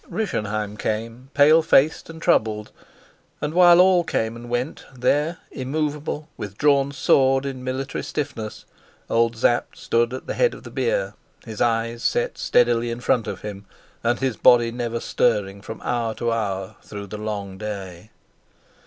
Rischenheim came, pale faced and troubled; and while all came and went, there, immovable, with drawn sword, in military stiffness, old Sapt stood at the head of the bier, his eyes set steadily in front of him, and his body never stirring from hour to hour through the long day.